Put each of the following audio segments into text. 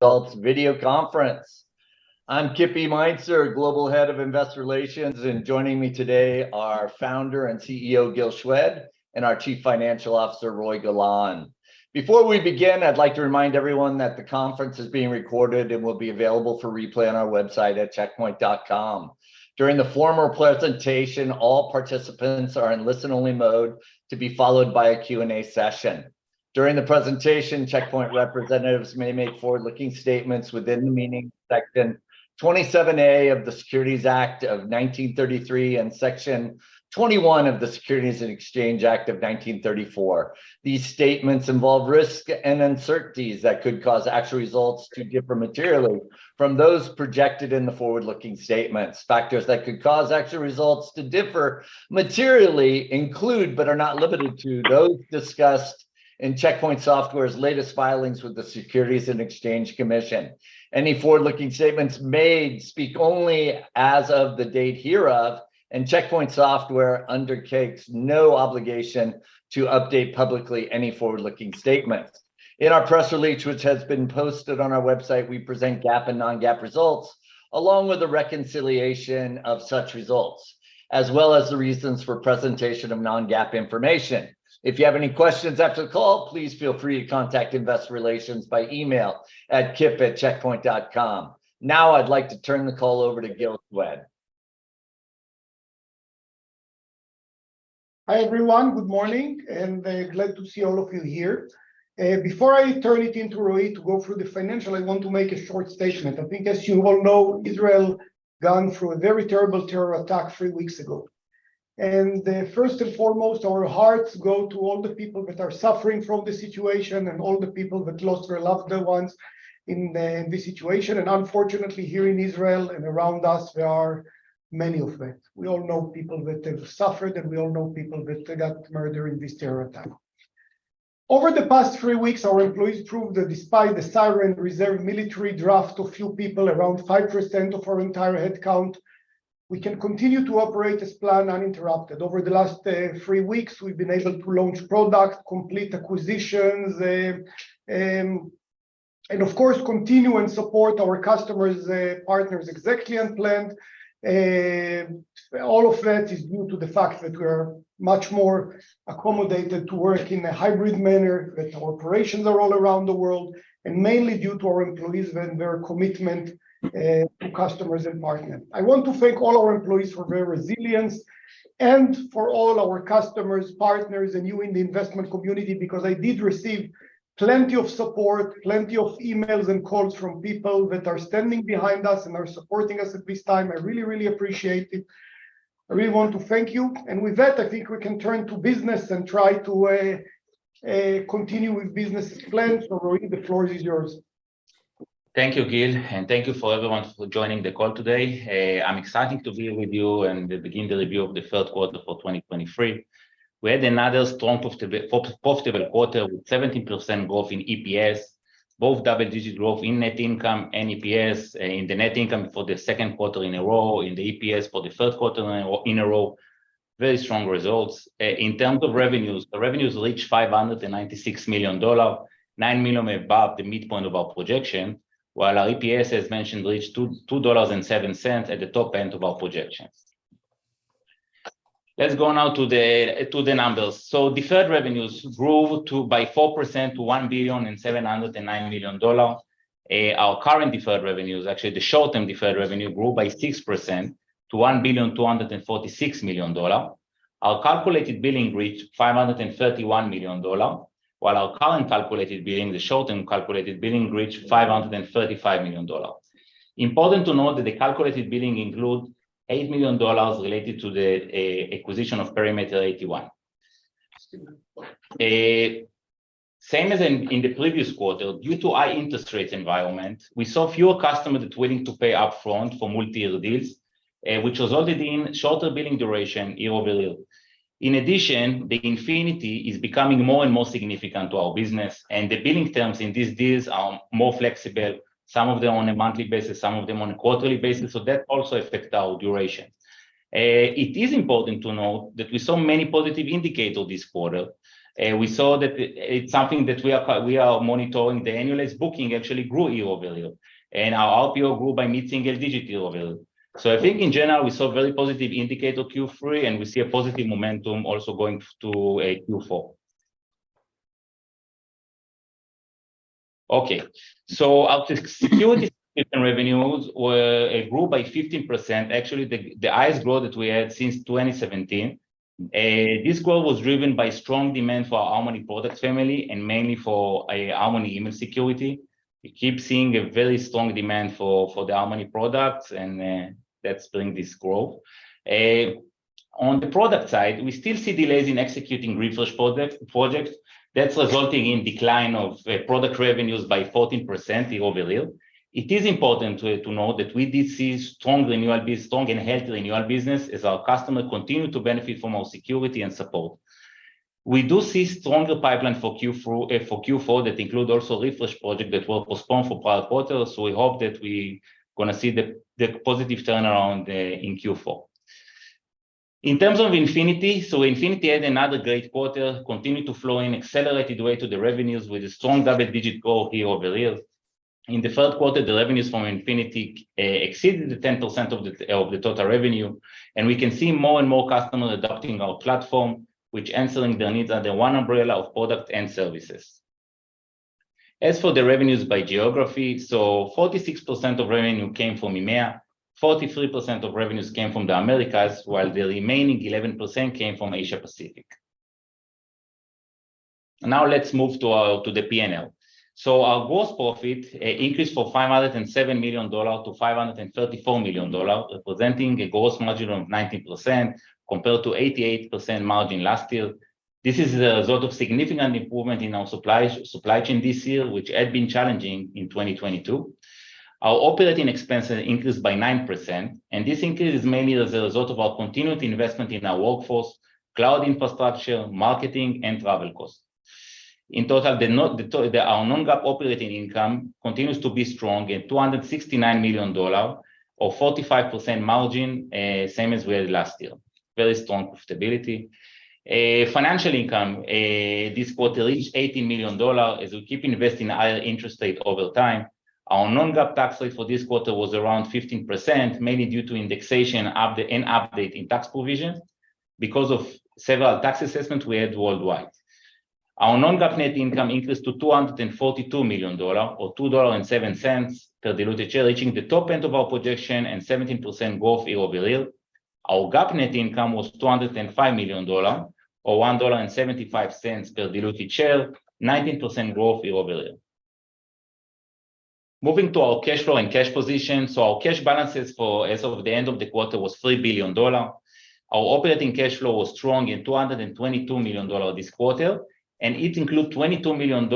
Results video conference. I'm Kip E. Meintzer, Global Head of Investor Relations, and joining me today are our founder and CEO, Gil Shwed, and our Chief Financial Officer, Roei Golan. Before we begin, I'd like to remind everyone that the conference is being recorded and will be available for replay on our website at checkpoint.com. During the formal presentation, all participants are in listen-only mode, to be followed by a Q&A session. During the presentation, Check Point representatives may make forward-looking statements within the meaning of Section 27A of the Securities Act of 1933 and Section 21 of the Securities and Exchange Act of 1934. These statements involve risks and uncertainties that could cause actual results to differ materially from those projected in the forward-looking statements. Factors that could cause actual results to differ materially include, but are not limited to, those discussed in Check Point Software's latest filings with the Securities and Exchange Commission. Any forward-looking statements made speak only as of the date hereof, and Check Point Software undertakes no obligation to update publicly any forward-looking statements. In our press release, which has been posted on our website, we present GAAP and non-GAAP results, along with a reconciliation of such results, as well as the reasons for presentation of non-GAAP information. If you have any questions after the call, please feel free to contact Investor Relations by email at kip@checkpoint.com. Now, I'd like to turn the call over to Gil Shwed. Hi, everyone. Good morning, and glad to see all of you here. Before I turn it into Roei to go through the financial, I want to make a short statement. I think, as you all know, Israel gone through a very terrible terror attack three weeks ago. First and foremost, our hearts go to all the people that are suffering from the situation and all the people that lost their loved ones in in this situation. Unfortunately, here in Israel and around us, there are many of that. We all know people that have suffered, and we all know people that got murdered in this terror attack. Over the past three weeks, our employees proved that despite the siren reserve military draft, a few people, around 5% of our entire headcount, we can continue to operate as planned, uninterrupted. Over the last three weeks, we've been able to launch products, complete acquisitions, and of course, continue and support our customers and partners exactly as planned. All of that is due to the fact that we're much more accommodated to work in a hybrid manner, that our operations are all around the world, and mainly due to our employees and their commitment to customers and partners. I want to thank all our employees for their resilience and for all our customers, partners, and you in the investment community, because I did receive plenty of support, plenty of emails and calls from people that are standing behind us and are supporting us at this time. I really, really appreciate it. I really want to thank you. And with that, I think we can turn to business and try to continue with business plans. Roei, the floor is yours. Thank you, Gil, and thank you for everyone for joining the call today. I'm excited to be with you and to begin the review of the third quarter for 2023. We had another strong positive quarter, with 17% growth in EPS, both double-digit growth in net income and EPS, in the net income for the second quarter in a row, in the EPS for the third quarter in a row. Very strong results. In terms of revenues, the revenues reached $596 million, $9 million above the midpoint of our projection, while our EPS, as mentioned, reached $2.07 at the top end of our projections. Let's go now to the numbers. So deferred revenues grew by 4% to $1.709 billion. Our current deferred revenues, actually the short-term deferred revenue, grew by 6% to $1,246 million. Our calculated billing reached $531 million, while our current calculated billing, the short-term calculated billing, reached $535 million. Important to note that the calculated billing include $8 million related to the acquisition of Perimeter 81. Same as in the previous quarter, due to high interest rate environment, we saw fewer customers that willing to pay upfront for multi-year deals, which resulted in shorter billing duration year-over-year. In addition, the Infinity is becoming more and more significant to our business, and the billing terms in these deals are more flexible, some of them on a monthly basis, some of them on a quarterly basis, so that also affect our duration. It is important to note that we saw many positive indicators this quarter, we saw that it, it's something that we are quite—we are monitoring. The annualized booking actually grew year-over-year, and our RPO grew by mid-single digit year-over-year. So I think in general, we saw very positive indicator Q3, and we see a positive momentum also going to Q4. Okay, so our security revenues grew by 15%, actually, the highest growth that we had since 2017. This growth was driven by strong demand for our Harmony products family and mainly for Harmony Email Security. We keep seeing a very strong demand for the Harmony products, and that's driving this growth. On the product side, we still see delays in executing refresh projects. That's resulting in decline of product revenues by 14% year-over-year. It is important to note that we did see strong and healthy annual business as our customers continue to benefit from our security and support. We do see stronger pipeline for Q4, for Q4, that include also refresh project that were postponed for past quarters, so we hope that we gonna see the positive turnaround in Q4. In terms of Infinity, so Infinity had another great quarter, continued to flow in accelerated way to the revenues with a strong double-digit growth year-over-year. In the third quarter, the revenues from Infinity exceeded the 10% of the total revenue, and we can see more and more customers adopting our platform, which answering their needs under one umbrella of product and services. As for the revenues by geography, 46% of revenue came from EMEA, 43% of revenues came from the Americas, while the remaining 11% came from Asia Pacific. Now let's move to the P&L. Our gross profit increased from $507 million-$534 million, representing a gross margin of 90%, compared to 88% margin last year. This is a result of significant improvement in our supply chain this year, which had been challenging in 2022. Our operating expenses increased by 9%, and this increase is mainly as a result of our continued investment in our workforce, cloud infrastructure, marketing, and travel costs. In total, our non-GAAP operating income continues to be strong at $269 million or 45% margin, same as we had last year. Very strong profitability. Financial income this quarter reached $80 million as we keep investing in higher interest rate over time. Our non-GAAP tax rate for this quarter was around 15%, mainly due to indexation of the, an update in tax provision because of several tax assessments we had worldwide. Our non-GAAP net income increased to $242 million, or $2.07 per diluted share, reaching the top end of our projection and 17% growth year-over-year. Our GAAP net income was $205 million, or $1.75 per diluted share, 19% growth year-over-year. Moving to our cash flow and cash position. So our cash balances for as of the end of the quarter was $3 billion. Our operating cash flow was strong in $222 million this quarter, and it include $22 million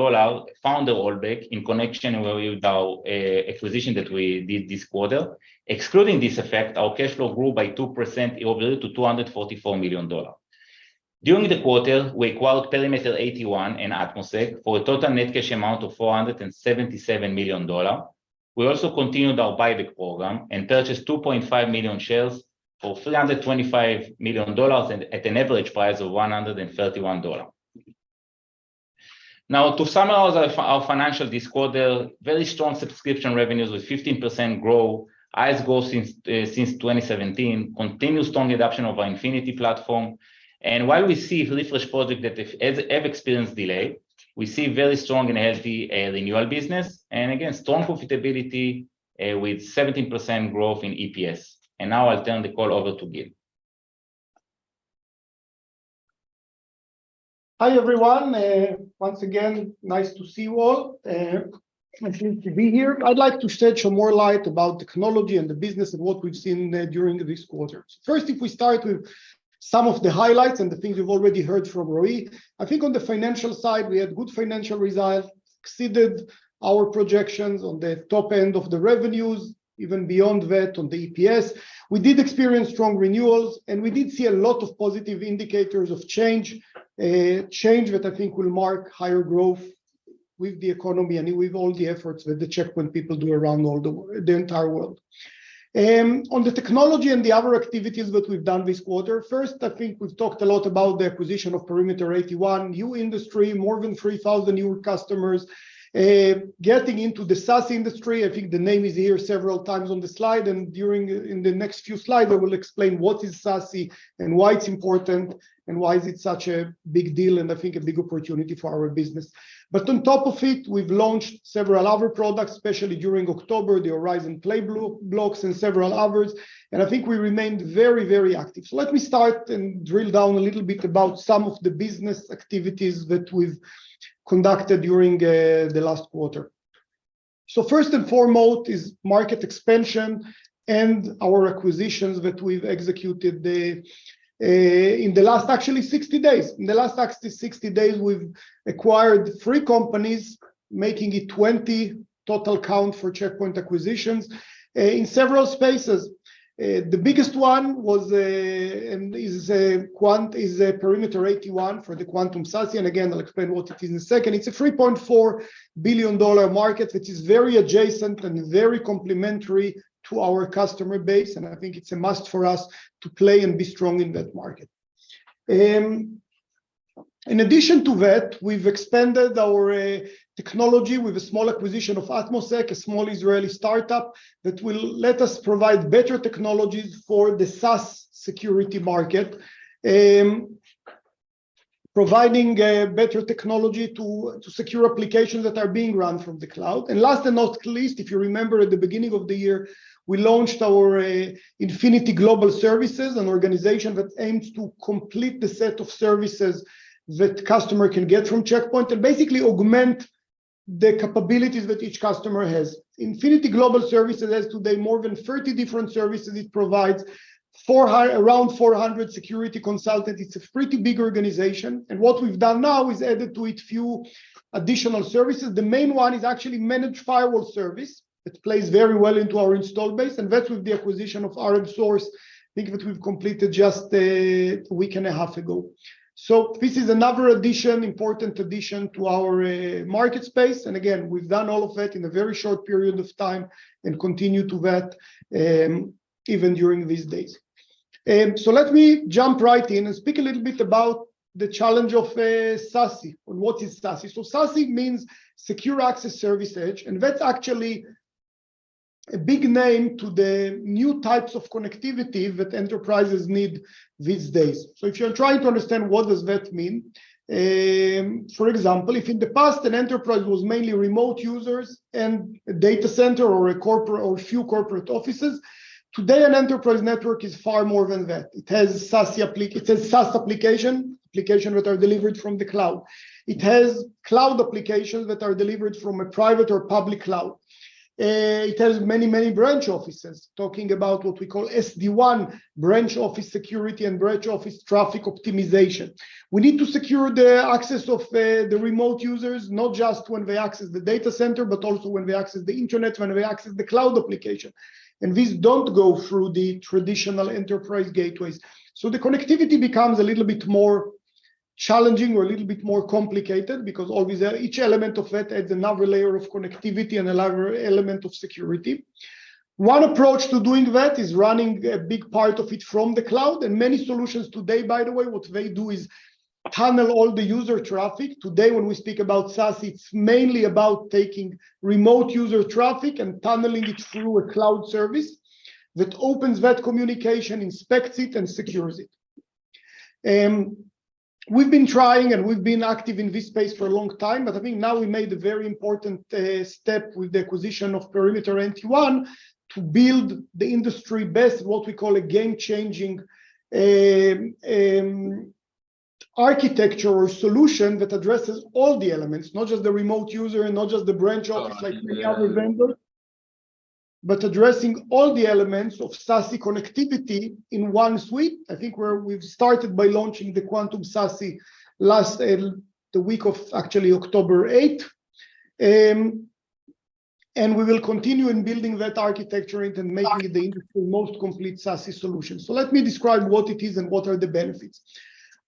founder holdback in connection with our acquisition that we did this quarter. Excluding this effect, our cash flow grew by 2% year-over-year to $244 million. During the quarter, we acquired Perimeter 81 and Atmosec for a total net cash amount of $477 million. We also continued our buyback program and purchased 2.5 million shares for $325 million at an average price of $131. Now, to summarize our financial this quarter, very strong subscription revenues with 15% growth, highest growth since 2017, continuous strong adoption of our Infinity platform. And while we see refresh project that have experienced delay, we see very strong and healthy renewal business, and again, strong profitability with 17% growth in EPS. And now I'll turn the call over to Gil. Hi, everyone. Once again, nice to see you all, nice to be here. I'd like to shed some more light about technology and the business and what we've seen during this quarter. First, if we start with some of the highlights and the things we've already heard from Roei, I think on the financial side, we had good financial results, exceeded our projections on the top end of the revenues, even beyond that on the EPS. We did experience strong renewals, and we did see a lot of positive indicators of change, change that I think will mark higher growth with the economy and with all the efforts that the Check Point people do around the entire world. On the technology and the other activities that we've done this quarter, first, I think we've talked a lot about the acquisition of Perimeter 81, new industry, more than 3,000 new customers, getting into the SASE industry. I think the name is here several times on the slide, and during, in the next few slides, I will explain what is SASE and why it's important and why is it such a big deal, and I think a big opportunity for our business. But on top of it, we've launched several other products, especially during October, the Horizon Playblocks and several others, and I think we remained very, very active. So let me start and drill down a little bit about some of the business activities that we've conducted during the last quarter. So first and foremost is market expansion and our acquisitions that we've executed in the last actually 60 days. In the last actually 60 days, we've acquired 3 companies, making it 20 total count for Check Point acquisitions in several spaces. The biggest one was and is Perimeter 81 for the Quantum SASE. And again, I'll explain what it is in a second. It's a $3.4 billion market, which is very adjacent and very complementary to our customer base, and I think it's a must for us to play and be strong in that market. In addition to that, we've expanded our technology with a small acquisition of Atmosec, a small Israeli startup, that will let us provide better technologies for the SASE security market, providing better technology to secure applications that are being run from the cloud. And last but not least, if you remember, at the beginning of the year, we launched our Infinity Global Services, an organization that aims to complete the set of services that customer can get from Check Point and basically augment the capabilities that each customer has. Infinity Global Services, as of today, more than 30 different services it provides, around 400 security consultants. It's a pretty big organization, and what we've done now is added to it few additional services. The main one is actually Managed Firewall Service, which plays very well into our install base, and that's with the acquisition of rmsource, I think that we've completed just a week and a half ago. So this is another addition, important addition to our market space, and again, we've done all of that in a very short period of time and continue to that, even during these days. So let me jump right in and speak a little bit about the challenge of SASE. What is SASE? So SASE means Secure Access Service Edge, and that's actually a big name to the new types of connectivity that enterprises need these days. So if you're trying to understand what does that mean, for example, if in the past an enterprise was mainly remote users and a data center or a few corporate offices, today, an enterprise network is far more than that. It has SaaS applications which are delivered from the cloud. It has cloud applications that are delivered from a private or public cloud. It has many, many branch offices talking about what we call SD-WAN branch office security and branch office traffic optimization. We need to secure the access of the remote users, not just when they access the data center, but also when they access the internet, when they access the cloud application, and these don't go through the traditional enterprise gateways. So the connectivity becomes a little bit more challenging or a little bit more complicated because obviously each element of that adds another layer of connectivity and another element of security. One approach to doing that is running a big part of it from the cloud, and many solutions today, by the way, what they do is tunnel all the user traffic. Today, when we speak about SASE, it's mainly about taking remote user traffic and tunneling it through a cloud service that opens that communication, inspects it, and secures it. We've been trying, and we've been active in this space for a long time, but I think now we made a very important step with the acquisition of Perimeter 81 to build the industry best, what we call a game-changing architecture or solution that addresses all the elements, not just the remote user and not just the branch office like the other vendors- But addressing all the elements of SASE connectivity in one suite. I think we've started by launching the Quantum SASE last, the week of actually October eighth. We will continue in building that architecture and then making the industry most complete SASE solution. So let me describe what it is and what are the benefits.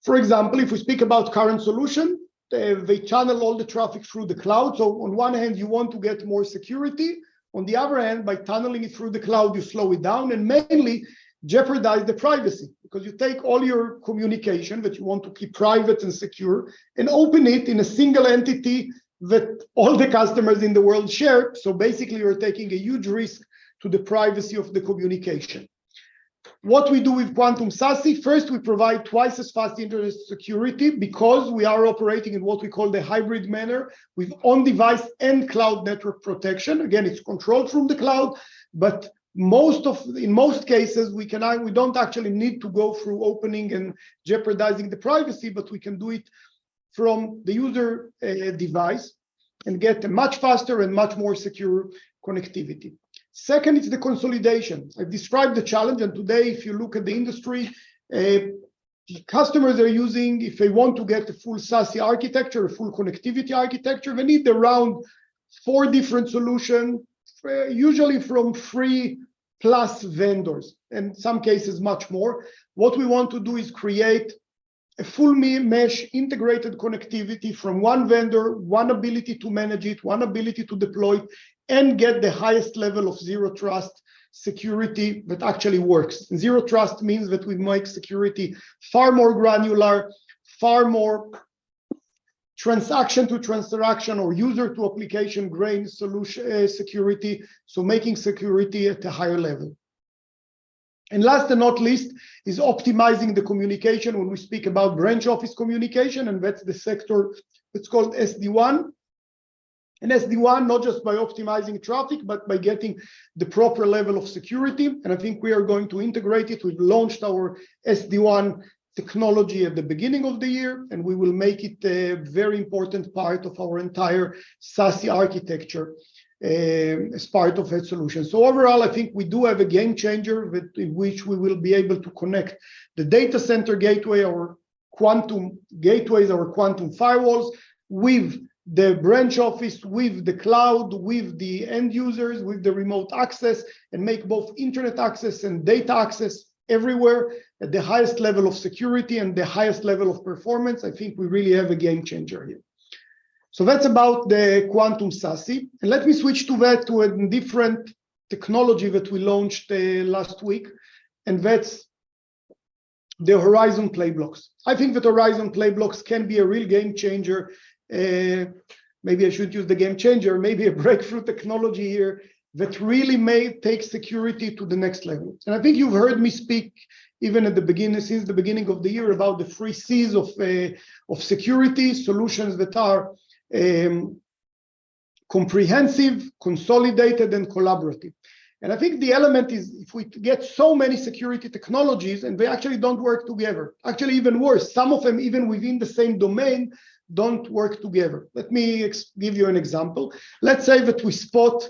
For example, if we speak about current solution, they channel all the traffic through the cloud. So on one hand, you want to get more security, on the other hand, by tunneling it through the cloud, you slow it down and mainly jeopardize the privacy, because you take all your communication that you want to keep private and secure and open it in a single entity that all the customers in the world share. So basically, you're taking a huge risk to the privacy of the communication. What we do with Quantum SASE, first, we provide twice as fast internet security because we are operating in what we call the hybrid manner, with on-device and cloud network protection. Again, it's controlled from the cloud, but most of, in most cases, we don't actually need to go through opening and jeopardizing the privacy, but we can do it from the user device and get a much faster and much more secure connectivity. Second is the consolidation. I've described the challenge, and today, if you look at the industry, the customers are using. If they want to get the full SASE architecture, full connectivity architecture, they need around four different solution, usually from three-plus vendors, in some cases, much more. What we want to do is create a full mesh, integrated connectivity from one vendor, one ability to manage it, one ability to deploy, and get the highest level of Zero Trust security that actually works. Zero Trust means that we make security far more granular, far more transaction-to-transaction or user-to-application grain solution, security, so making security at a higher level. Last but not least, is optimizing the communication when we speak about branch office communication, and that's the sector that's called SD-WAN. And SD-WAN, not just by optimizing traffic, but by getting the proper level of security, and I think we are going to integrate it. We've launched our SD-WAN technology at the beginning of the year, and we will make it a very important part of our entire SASE architecture, as part of that solution. So overall, I think we do have a game changer within which we will be able to connect the data center gateway, or Quantum Gateways, or Quantum Firewalls with the branch office, with the cloud, with the end users, with the remote access, and make both internet access and data access everywhere at the highest level of security and the highest level of performance. I think we really have a game changer here. So that's about the Quantum SASE. And let me switch to that, to a different technology that we launched last week, and that's the Horizon Playblocks. I think that Horizon Playblocks can be a real game changer. Maybe I should use the game changer, or maybe a breakthrough technology here that really may take security to the next level. And I think you've heard me speak even at the beginning, since the beginning of the year, about the three Cs of security solutions that are comprehensive, consolidated, and collaborative. And I think the element is if we get so many security technologies and they actually don't work together, actually even worse, some of them, even within the same domain, don't work together. Let me give you an example. Let's say that we spot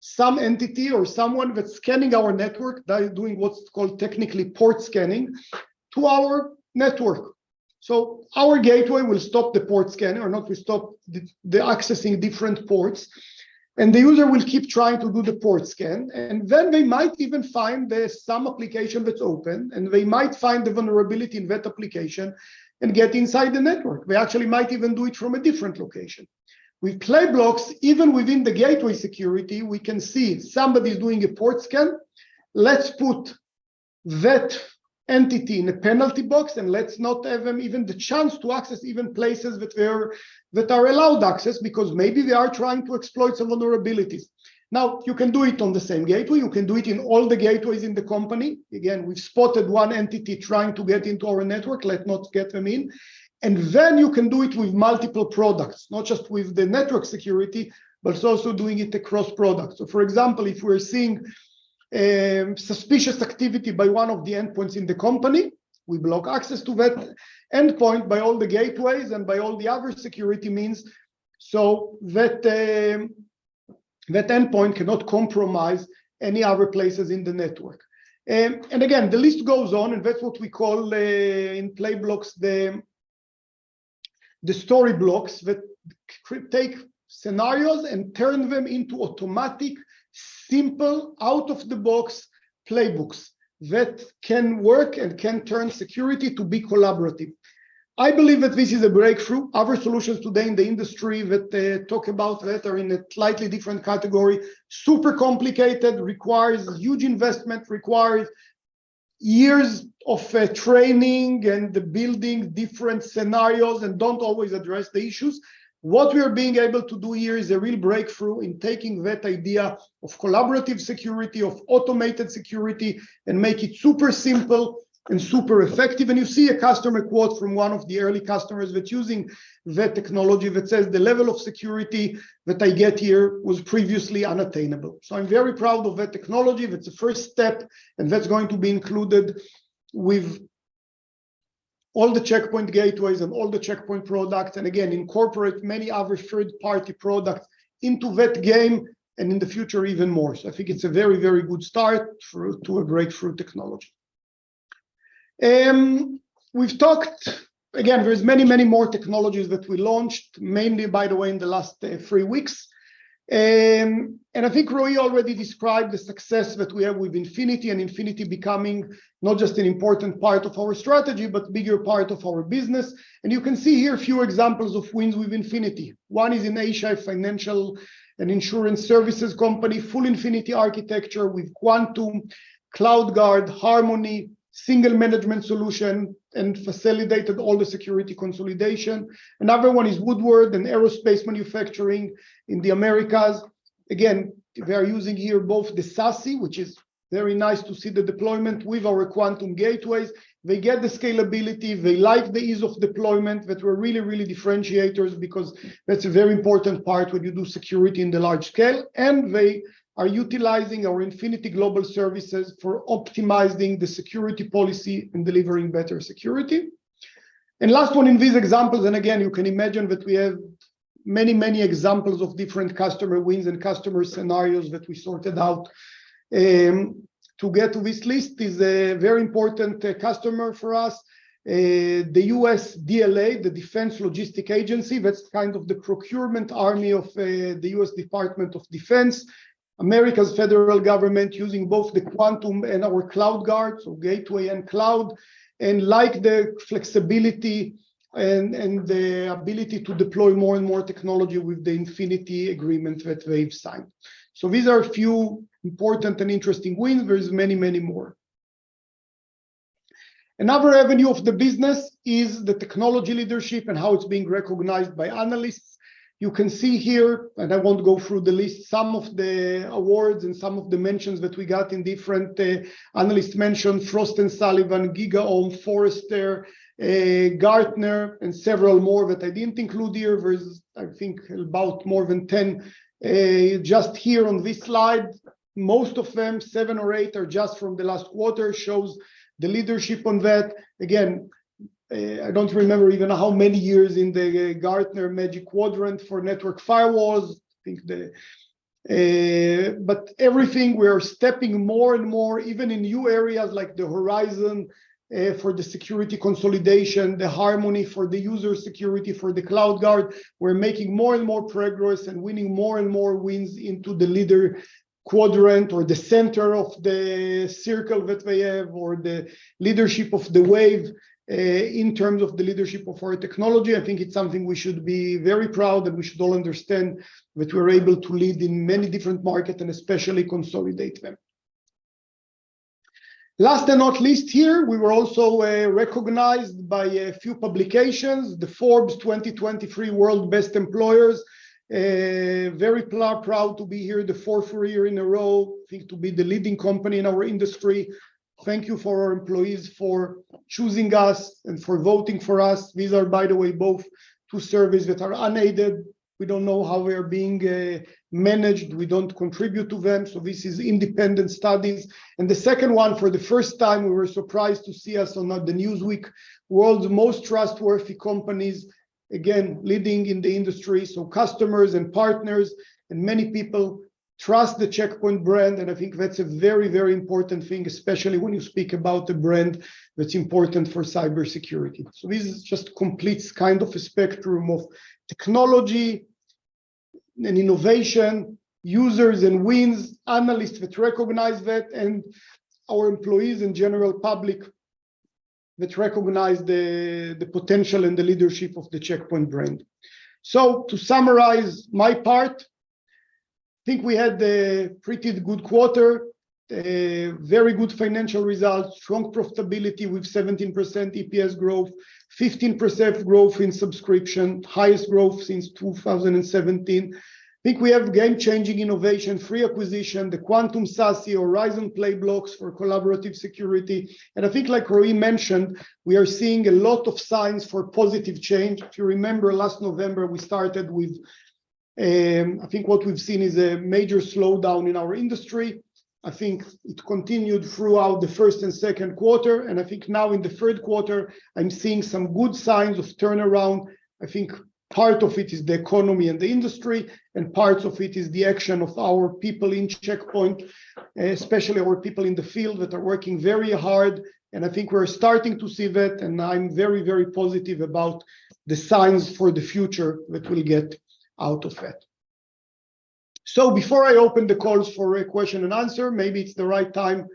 some entity or someone that's scanning our network, that is doing what's called technically port scanning to our network. So our gateway will stop the port scanning or not will stop the accessing different ports, and the user will keep trying to do the port scan, and then they might even find there's some application that's open, and they might find the vulnerability in that application and get inside the network. They actually might even do it from a different location. With Playblocks, even within the gateway security, we can see somebody is doing a port scan. Let's put that entity in a penalty box, and let's not have them even the chance to access even places that they're, that are allowed access, because maybe they are trying to exploit some vulnerabilities. Now, you can do it on the same gateway. You can do it in all the gateways in the company. Again, we've spotted one entity trying to get into our network, let's not get them in. And then you can do it with multiple products, not just with the network security, but it's also doing it across products. So for example, if we're seeing suspicious activity by one of the endpoints in the company, we block access to that endpoint by all the gateways and by all the other security means, so that that endpoint cannot compromise any other places in the network. And again, the list goes on, and that's what we call, in Playblocks, the story blocks that take scenarios and turn them into automatic, simple, out-of-the-box playbooks that can work and can turn security to be collaborative. I believe that this is a breakthrough. Other solutions today in the industry that talk about that are in a slightly different category, super complicated, requires huge investment, requires years of training and building different scenarios, and don't always address the issues. What we are being able to do here is a real breakthrough in taking that idea of collaborative security, of automated security, and make it super simple and super effective. And you see a customer quote from one of the early customers that's using that technology, that says, "The level of security that I get here was previously unattainable." So I'm very proud of that technology. That's a first step, and that's going to be included with all the Check Point gateways and all the Check Point products, and again, incorporate many other third-party products into that game, and in the future, even more so. I think it's a very, very good start for, to a breakthrough technology. We've talked... Again, there's many, many more technologies that we launched, mainly by the way, in the last three weeks. And I think Roei already described the success that we have with Infinity, and Infinity becoming not just an important part of our strategy, but bigger part of our business. And you can see here a few examples of wins with Infinity. One is in Asia, a financial and insurance services company, full Infinity architecture with Quantum, CloudGuard, Harmony, single management solution, and facilitated all the security consolidation. Another one is Woodward, an aerospace manufacturing in the Americas. Again, they are using here both the SASE, which is very nice to see the deployment with our Quantum Gateways. They get the scalability, they like the ease of deployment, that were really, really differentiators, because that's a very important part when you do security in the large scale. And they are utilizing our Infinity Global Services for optimizing the security policy and delivering better security. Last one in these examples, and again, you can imagine that we have many, many examples of different customer wins and customer scenarios that we sorted out to get to this list, is a very important customer for us. The U.S. DLA, the Defense Logistics Agency, that's kind of the procurement army of the U.S. Department of Defense. America's federal government using both the Quantum and our CloudGuard, so gateway and cloud, and like the flexibility and the ability to deploy more and more technology with the Infinity agreement that they've signed. So these are a few important and interesting wins. There is many, many more. Another avenue of the business is the technology leadership and how it's being recognized by analysts. You can see here, and I won't go through the list, some of the awards and some of the mentions that we got in different analysts mention, Frost & Sullivan, GigaOm, Forrester, Gartner, and several more that I didn't include here. There's, I think, about more than 10, just here on this slide. Most of them, seven or eight, are just from the last quarter, shows the leadership on that. Again, I don't remember even how many years in the Gartner Magic Quadrant for network firewalls. I think the... But everything, we are stepping more and more, even in new areas like the Horizon, for the security consolidation, the Harmony for the user security, for the CloudGuard. We're making more and more progress and winning more and more wins into the leader quadrant or the center of the circle that we have, or the leadership of the wave. In terms of the leadership of our technology, I think it's something we should be very proud and we should all understand that we're able to lead in many different markets and especially consolidate them. Last and not least here, we were also recognized by a few publications, the Forbes 2023 World's Best Employers. Very proud to be here the fourth year in a row, I think to be the leading company in our industry. Thank you for our employees for choosing us and for voting for us. These are, by the way, both two surveys that are unaided. We don't know how we are being managed. We don't contribute to them, so this is independent studies. The second one, for the first time, we were surprised to see us on the Newsweek's World's Most Trustworthy Companies. Again, leading in the industry, so customers and partners and many people trust the Check Point brand, and I think that's a very, very important thing, especially when you speak about a brand that's important for cybersecurity. So this is just completes kind of a spectrum of technology and innovation, users and wins, analysts that recognize that, and our employees and general public that recognize the, the potential and the leadership of the Check Point brand. So to summarize my part-... I think we had a pretty good quarter, a very good financial results, strong profitability with 17% EPS growth, 15% growth in subscription, highest growth since 2017. I think we have game-changing innovation, three acquisition, the Quantum SASE, Horizon Playblocks for collaborative security. And I think like Roei mentioned, we are seeing a lot of signs for positive change. If you remember last November, we started with, I think what we've seen is a major slowdown in our industry. I think it continued throughout the first and second quarter, and I think now in the third quarter, I'm seeing some good signs of turnaround. I think part of it is the economy and the industry, and parts of it is the action of our people in Check Point, especially our people in the field that are working very hard. And I think we're starting to see that, and I'm very, very positive about the signs for the future that we'll get out of it. So before I open the calls for a question-and-answer, maybe it's the right time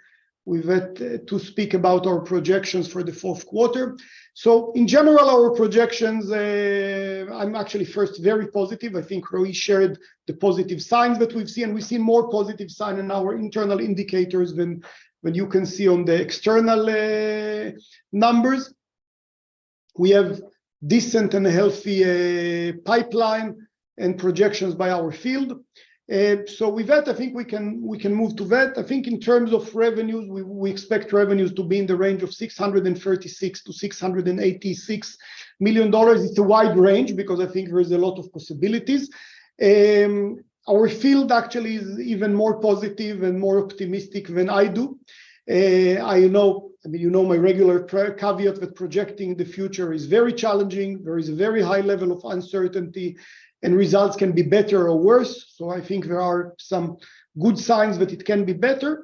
with that to speak about our projections for the fourth quarter. So in general, our projections, I'm actually first very positive. I think Roei shared the positive signs that we've seen, we've seen more positive sign in our internal indicators than you can see on the external numbers. We have decent and healthy pipeline and projections by our field. So with that, I think we can move to that. I think in terms of revenues, we expect revenues to be in the range of $636 million-$686 million. It's a wide range because I think there is a lot of possibilities. Our field actually is even more positive and more optimistic than I do. I know, you know, my regular caveat with projecting the future is very challenging. There is a very high level of uncertainty, and results can be better or worse. So I think there are some good signs, but it can be better.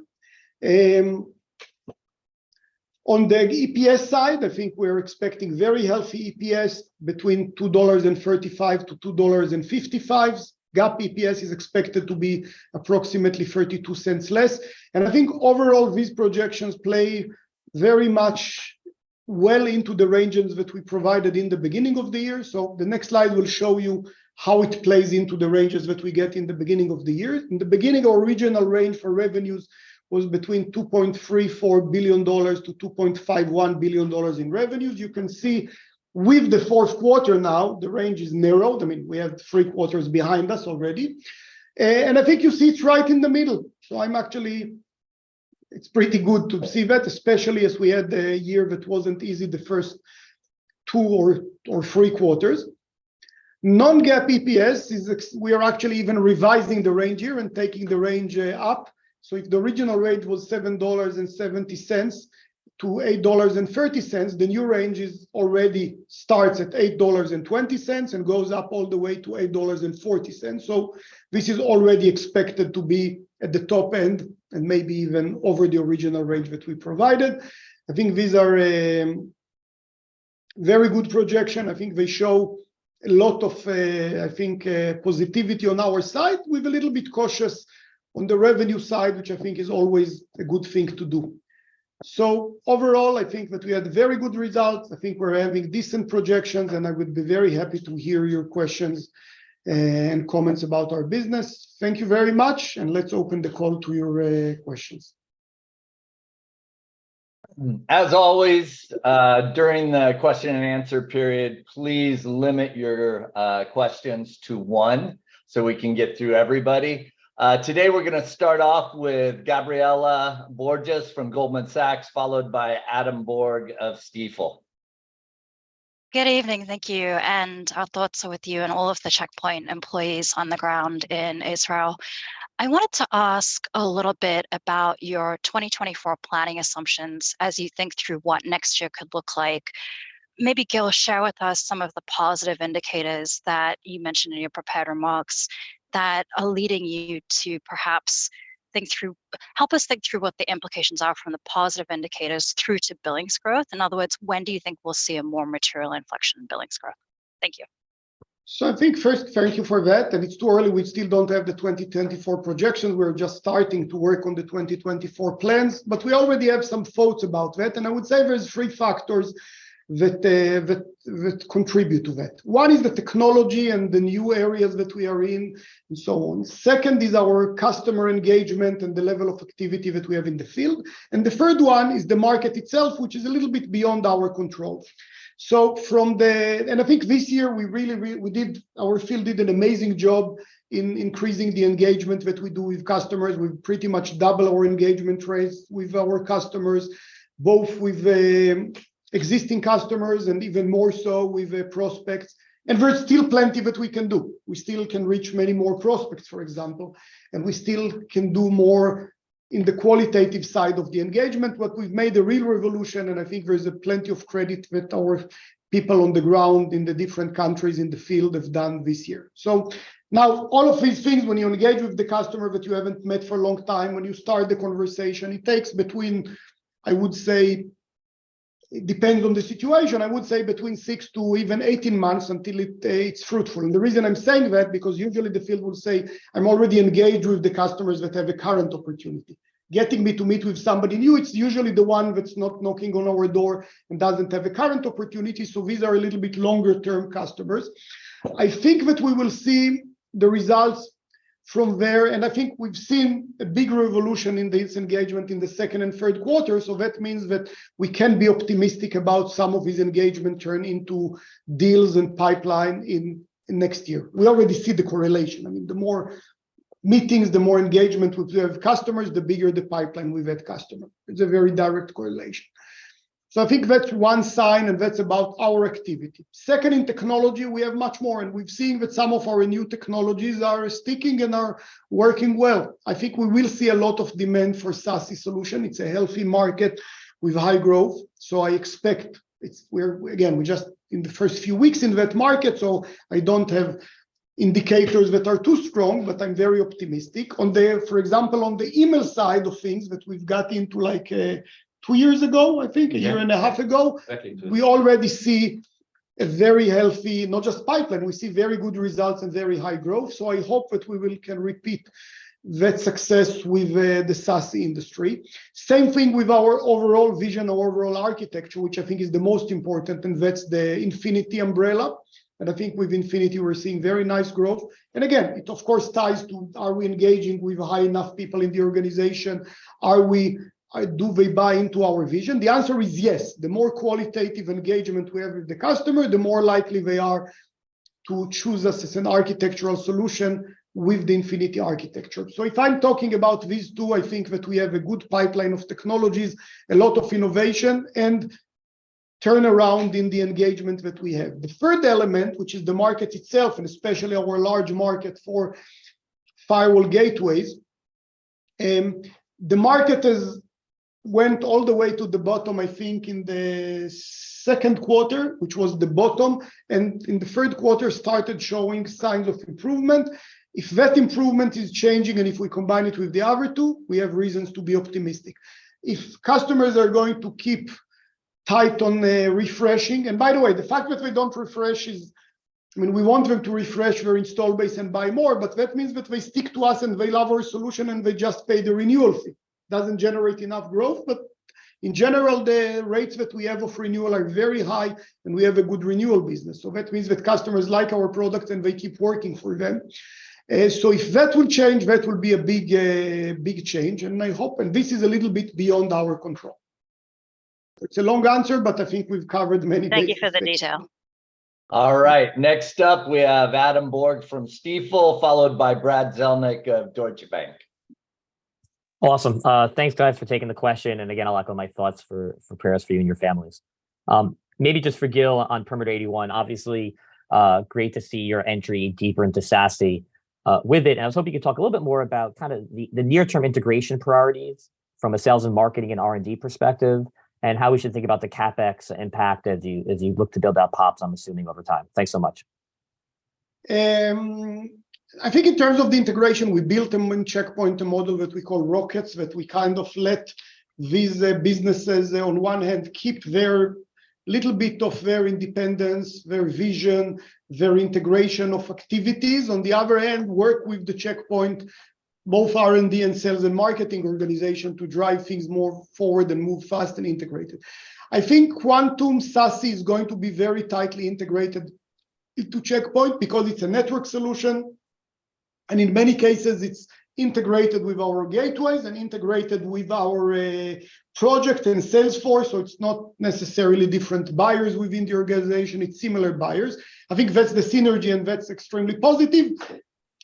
On the EPS side, I think we're expecting very healthy EPS between $2.35-$2.55. GAAP EPS is expected to be approximately $0.32 less. And I think overall, these projections play very much well into the ranges that we provided in the beginning of the year. So the next slide will show you how it plays into the ranges that we get in the beginning of the year. In the beginning, our original range for revenues was between $2.34 billion-$2.51 billion in revenues. You can see with the fourth quarter now, the range is narrowed. I mean, we have three-quarters behind us already, and I think you see it's right in the middle. So I'm actually. It's pretty good to see that, especially as we had a year that wasn't easy, the first two or three quarters. Non-GAAP EPS is we are actually even revising the range here and taking the range, up. So if the original range was $7.70-$8.30, the new range is already starts at $8.20 and goes up all the way to $8.40. So this is already expected to be at the top end and maybe even over the original range that we provided. I think these are, very good projection. I think they show a lot of, I think, positivity on our side with a little bit cautious on the revenue side, which I think is always a good thing to do. So overall, I think that we had very good results. I think we're having decent projections, and I would be very happy to hear your questions and comments about our business. Thank you very much, and let's open the call to your questions. As always, during the question-and-answer period, please limit your questions to one, so we can get through everybody. Today, we're gonna start off with Gabriela Borges from Goldman Sachs, followed by Adam Borg of Stifel. Good evening, thank you. Our thoughts are with you and all of the Check Point employees on the ground in Israel. I wanted to ask a little bit about your 2024 planning assumptions as you think through what next year could look like. Maybe, Gil, share with us some of the positive indicators that you mentioned in your prepared remarks that are leading you to perhaps think through, help us think through what the implications are from the positive indicators through to billings growth. In other words, when do you think we'll see a more material inflection in billings growth? Thank you. So I think first, thank you for that, and it's too early. We still don't have the 2024 projections. We're just starting to work on the 2024 plans, but we already have some thoughts about that. And I would say there's three factors that contribute to that. One is the technology and the new areas that we are in, and so on. Second is our customer engagement and the level of activity that we have in the field. And the third one is the market itself, which is a little bit beyond our control. And I think this year, we really did. Our field did an amazing job in increasing the engagement that we do with customers. We pretty much double our engagement rates with our customers, both with existing customers and even more so with prospects. There's still plenty that we can do. We still can reach many more prospects, for example, and we still can do more in the qualitative side of the engagement. But we've made a real revolution, and I think there's plenty of credit that our people on the ground in the different countries in the field have done this year. So now, all of these things, when you engage with the customer that you haven't met for a long time, when you start the conversation, it takes between, I would say, it depends on the situation, I would say between 6 to even 18 months until it, it's fruitful. And the reason I'm saying that, because usually the field will say: I'm already engaged with the customers that have a current opportunity. getting me to meet with somebody new, it's usually the one that's not knocking on our door and doesn't have a current opportunity, so these are a little bit longer term customers. I think that we will see the results from there, and I think we've seen a big revolution in this engagement in the second and third quarter. So that means that we can be optimistic about some of this engagement turn into deals and pipeline in, in next year. We already see the correlation. I mean, the more meetings, the more engagement we with have customers, the bigger the pipeline with that customer. It's a very direct correlation. So I think that's one sign, and that's about our activity. Second, in technology, we have much more, and we've seen that some of our new technologies are sticking and are working well. I think we will see a lot of demand for SASE solution. It's a healthy market with high growth, so I expect we're, again, we're just in the first few weeks in that market, so I don't have indicators that are too strong, but I'm very optimistic. On the, for example, on the email side of things that we've got into, like, two years ago, I think- Yeah... a year and a half ago- Exactly, two... we already see a very healthy, not just pipeline, we see very good results and very high growth. So I hope that we will can repeat that success with the SASE industry. Same thing with our overall vision, overall architecture, which I think is the most important, and that's the Infinity umbrella. I think with Infinity we're seeing very nice growth. And again, it of course ties to, are we engaging with high enough people in the organization? Do they buy into our vision? The answer is yes. The more qualitative engagement we have with the customer, the more likely they are to choose us as an architectural solution with the Infinity architecture. So if I'm talking about these two, I think that we have a good pipeline of technologies, a lot of innovation, and turnaround in the engagement that we have. The third element, which is the market itself, and especially our large market for firewall gateways, the market went all the way to the bottom, I think, in the second quarter, which was the bottom, and in the third quarter started showing signs of improvement. If that improvement is changing, and if we combine it with the other two, we have reasons to be optimistic. If customers are going to keep tight on the refreshing... And by the way, the fact that we don't refresh is, I mean, we want them to refresh their install base and buy more, but that means that they stick to us and they love our solution, and they just pay the renewal fee. Doesn't generate enough growth, but in general, the rates that we have of renewal are very high, and we have a good renewal business. So that means that customers like our product and they keep working for them. So if that will change, that will be a big, a big change, and I hope, and this is a little bit beyond our control. It's a long answer, but I think we've covered many bases. Thank you for the detail. All right, next up we have Adam Borg from Stifel, followed by Brad Zelnick of Deutsche Bank. Awesome. Thanks, guys, for taking the question, and again, a lot of my thoughts and prayers for you and your families. Maybe just for Gil on Perimeter 81, obviously, great to see your entry deeper into SASE with it. And I was hoping you could talk a little bit more about kind of the near-term integration priorities from a sales and marketing and R&D perspective, and how we should think about the CapEx impact as you look to build out pops, I'm assuming, over time. Thanks so much. I think in terms of the integration, we built a Check Point model that we call Rockets, that we kind of let these businesses, on one hand, keep their little bit of their independence, their vision, their integration of activities. On the other hand, work with the Check Point, both R&D and sales and marketing organization, to drive things more forward and move fast and integrated. I think Quantum SASE is going to be very tightly integrated into Check Point, because it's a network solution, and in many cases it's integrated with our gateways and integrated with our project and Salesforce. So it's not necessarily different buyers within the organization, it's similar buyers. I think that's the synergy, and that's extremely positive.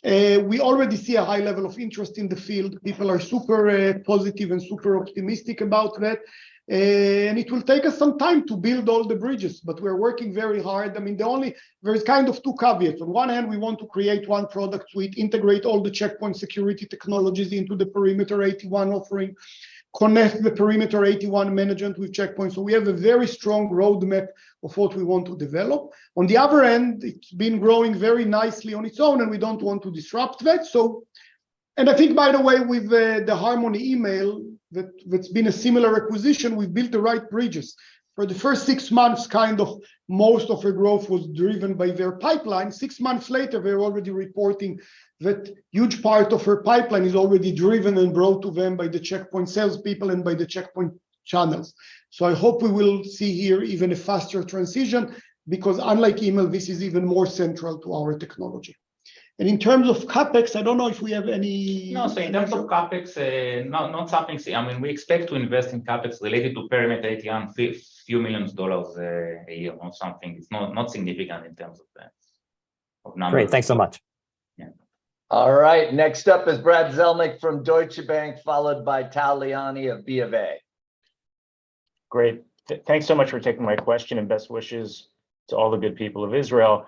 We already see a high level of interest in the field. People are super positive and super optimistic about that. And it will take us some time to build all the bridges, but we're working very hard. I mean, the only—there is kind of two caveats. On one hand, we want to create one product, we integrate all the Check Point security technologies into the Perimeter 81 offering, connect the Perimeter 81 management with Check Point. So we have a very strong roadmap of what we want to develop. On the other hand, it's been growing very nicely on its own, and we don't want to disrupt that. So... And I think, by the way, with the, the Harmony email, that, that's been a similar acquisition, we've built the right bridges. For the first six months, kind of most of their growth was driven by their pipeline. Six months later, we're already reporting that huge part of their pipeline is already driven and brought to them by the Check Point salespeople and by the Check Point channels. So I hope we will see here even a faster transition, because unlike email, this is even more central to our technology. In terms of CapEx, I don't know if we have any- No, say, in terms of CapEx, not something. I mean, we expect to invest in CapEx related to Perimeter 81, a few million dollars a year on something. It's not significant in terms of that, of numbers. Great, thanks so much. Yeah. All right, next up is Brad Zelnick from Deutsche Bank, followed by Tal Liani of BofA. Great. Thanks so much for taking my question, and best wishes to all the good people of Israel.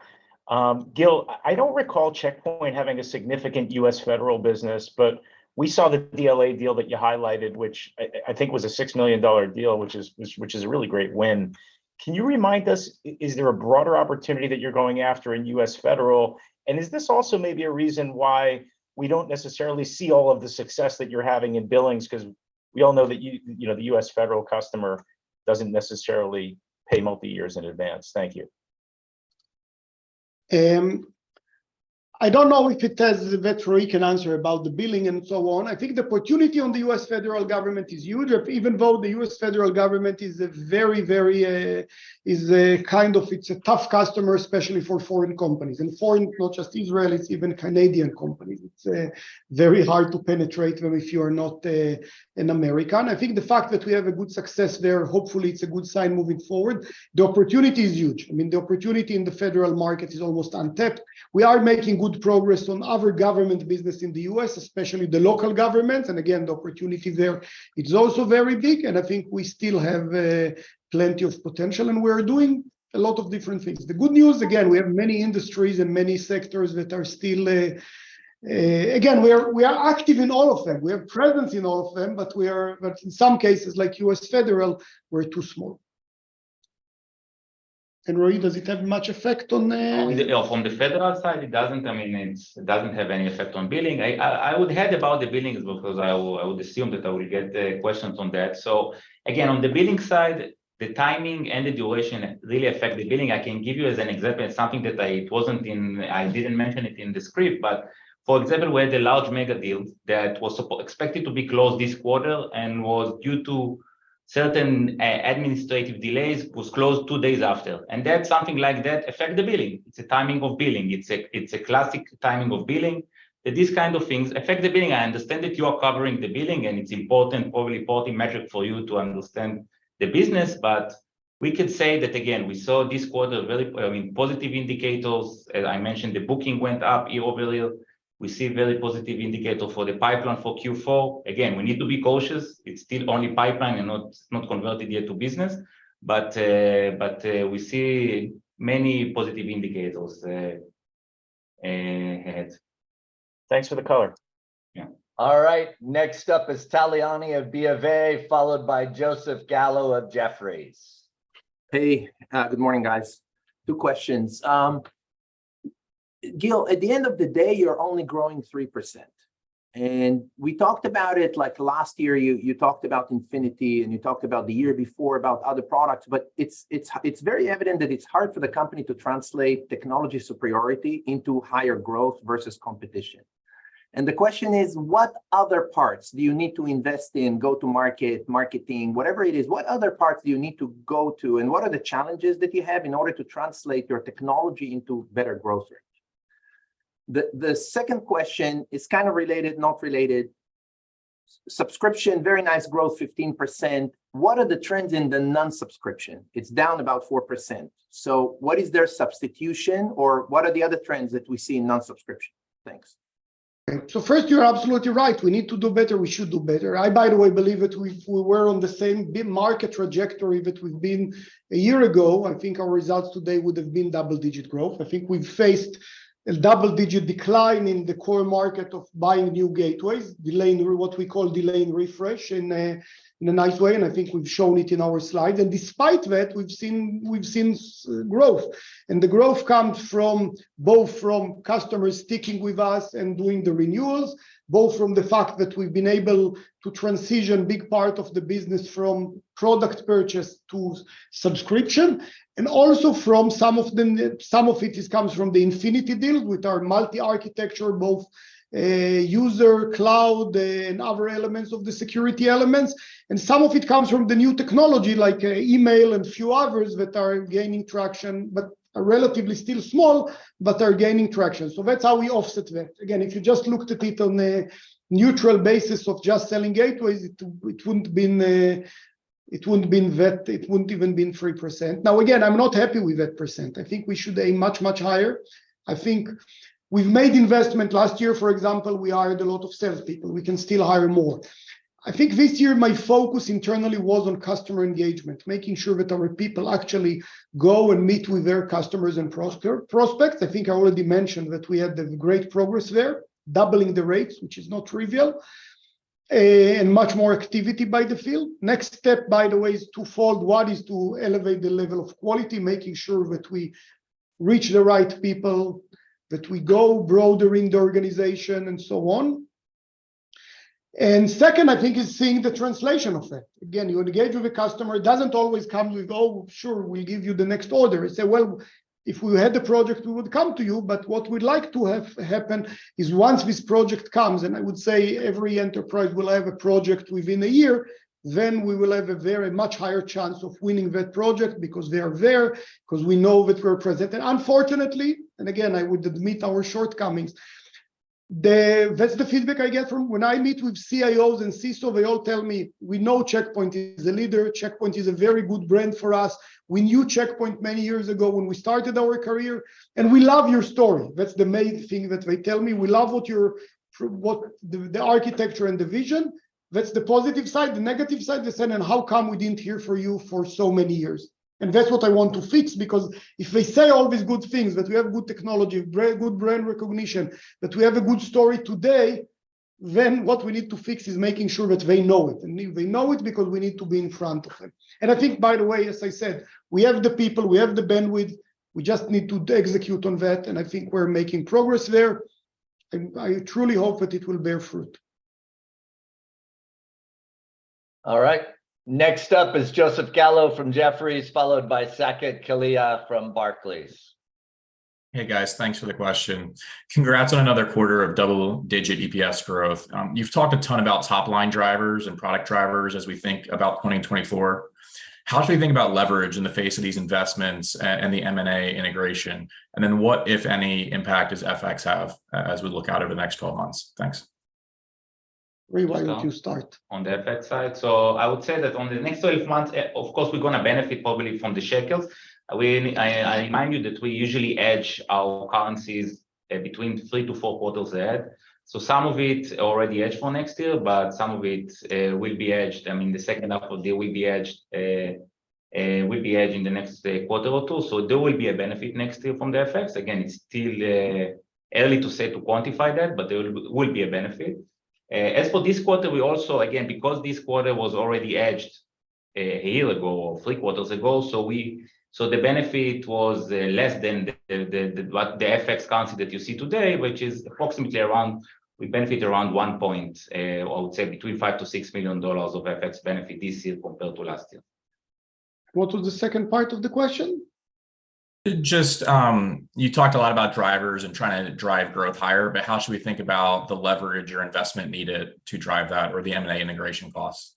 Gil, I don't recall Check Point having a significant U.S. federal business, but we saw the DLA deal that you highlighted, which I think was a $6 million deal, which is a really great win. Can you remind us, is there a broader opportunity that you're going after in U.S. federal? And is this also maybe a reason why we don't necessarily see all of the success that you're having in billings? 'Cause we all know that, you know, the U.S. federal customer doesn't necessarily pay multi-years in advance. Thank you. I don't know if it is that Roei can answer about the billing and so on. I think the opportunity on the U.S. federal government is huge, even though the U.S. federal government is a very, very, is a kind of, it's a tough customer, especially for foreign companies, and foreign, not just Israel, it's even Canadian companies. It's very hard to penetrate them if you are not an American. I think the fact that we have a good success there, hopefully it's a good sign moving forward. The opportunity is huge. I mean, the opportunity in the federal market is almost untapped. We are making good progress on other government business in the U.S., especially the local government, and again, the opportunity there, it's also very big, and I think we still have plenty of potential, and we're doing a lot of different things. The good news, again, we have many industries and many sectors that are still... Again, we are active in all of them. We have presence in all of them, but in some cases, like U.S. federal, we're too small. And Roei, does it have much effect on, Oh, from the federal side, it doesn't. I mean, it's, it doesn't have any effect on billing. I would hear about the billing as well, because I would, I would assume that I will get questions on that. So again, on the billing side, the timing and the duration really affect the billing. I can give you as an example, something that I wasn't in, I didn't mention it in the script, but for example, we had a large mega deal that was expected to be closed this quarter and was due to certain administrative delays, was closed two days after, and that, something like that affect the billing. It's a timing of billing. It's a classic timing of billing, that these kind of things affect the billing. I understand that you are covering the billing, and it's important, probably important metric for you to understand the business, but we could say that again, we saw this quarter very, I mean, positive indicators. As I mentioned, the booking went up year-over-year. We see very positive indicator for the pipeline for Q4. Again, we need to be cautious. It's still only pipeline and not, not converted yet to business, but, but, we see many positive indicators, ahead. Thanks for the color. Yeah. All right, next up is Tal Liani of BofA, followed by Joseph Gallo of Jefferies. Hey, good morning, guys. Two questions. Gil, at the end of the day, you're only growing 3%, and we talked about it, like last year, you, you talked about Infinity, and you talked about the year before about other products, but it's, it's, it's very evident that it's hard for the company to translate technology superiority into higher growth versus competition. And the question is, what other parts do you need to invest in, go-to-market, marketing, whatever it is, what other parts do you need to go to, and what are the challenges that you have in order to translate your technology into better growth rate? The second question is kind of related, not related. Subscription, very nice growth, 15%. What are the trends in the non-subscription? It's down about 4%, so what is their substitution, or what are the other trends that we see in non-subscription? Thanks. So first, you're absolutely right. We need to do better. We should do better. I, by the way, believe that if we were on the same big market trajectory that we've been a year ago, I think our results today would have been double-digit growth. I think we've faced a double-digit decline in the core market of buying new gateways, delaying, what we call delaying refresh, in a nice way, and I think we've shown it in our slides. And despite that, we've seen, we've seen growth, and the growth comes from both from customers sticking with us and doing the renewals, both from the fact that we've been able to transition big part of the business from product purchase to subscription, and also from some of the, some of it just comes from the Infinity deal with our multi-architecture, both user, cloud, and other elements of the security elements, and some of it comes from the new technology, like email and few others that are gaining traction, but are relatively still small, but are gaining traction. So that's how we offset that. Again, if you just looked at it on a neutral basis of just selling gateways, it wouldn't been that, it wouldn't even been 3%. Now, again, I'm not happy with that percent. I think we should aim much, much higher. I think we've made investment. Last year, for example, we hired a lot of salespeople. We can still hire more. I think this year, my focus internally was on customer engagement, making sure that our people actually go and meet with their customers and prospects. I think I already mentioned that we had the great progress there, doubling the rates, which is not trivial, and much more activity by the field. Next step, by the way, is twofold. One is to elevate the level of quality, making sure that we reach the right people, that we go broader in the organization, and so on. Second, I think, is seeing the translation of that. Again, you engage with the customer. It doesn't always come with, "Oh, sure, we'll give you the next order." They say, "Well, if we had the project, we would come to you," but what we'd like to have happen is once this project comes, and I would say every enterprise will have a project within a year, then we will have a very much higher chance of winning that project, because they are there, 'cause we know that we're present. And unfortunately, and again, I would admit our shortcomings. That's the feedback I get from when I meet with CIOs and CISOs. They all tell me, "We know Check Point is a leader. Check Point is a very good brand for us. We knew Check Point many years ago when we started our career, and we love your story." That's the main thing that they tell me. "We love what you're, what the architecture and the vision." That's the positive side. The negative side, they're saying, "Then how come we didn't hear from you for so many years?" And that's what I want to fix, because if they say all these good things, that we have good technology, very good brand recognition, that we have a good story today, then what we need to fix is making sure that they know it, and they know it, because we need to be in front of them. And I think, by the way, as I said, we have the people, we have the bandwidth. We just need to execute on that, and I think we're making progress there, and I truly hope that it will bear fruit.... All right, next up is Joseph Gallo from Jefferies, followed by Saket Kalia from Barclays. Hey, guys. Thanks for the question. Congrats on another quarter of double-digit EPS growth. You've talked a ton about top line drivers and product drivers as we think about 2024. How should we think about leverage in the face of these investments and the M&A integration? And then what, if any, impact does FX have as we look out over the next 12 months? Thanks. Roei, why don't you start? On the FX side, I would say that on the next 12 months, of course, we're gonna benefit probably from the shekels. I remind you that we usually hedge our currencies between three to four quarters ahead. Some of it already hedged for next year, but some of it will be hedged. I mean, the second half of the year will be hedged in the next quarter or two. There will be a benefit next year from the FX. Again, it's still early to say to quantify that, but there will be a benefit. As for this quarter, we also, again, because this quarter was already hedged a year ago, or three quarters ago, the benefit was less than the FX currency that you see today, which is approximately around, we benefit around $1.5 million-$6 million of FX benefit this year compared to last year. What was the second part of the question? Just, you talked a lot about drivers and trying to drive growth higher, but how should we think about the leverage or investment needed to drive that, or the M&A integration costs?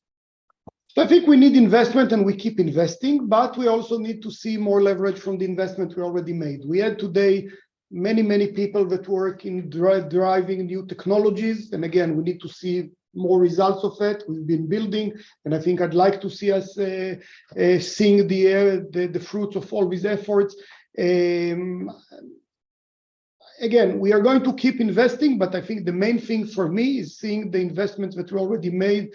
I think we need investment, and we keep investing, but we also need to see more leverage from the investment we already made. We have today many, many people that work in driving new technologies, and again, we need to see more results of it. We've been building, and I think I'd like to see us seeing the fruits of all these efforts. Again, we are going to keep investing, but I think the main thing for me is seeing the investments that we already made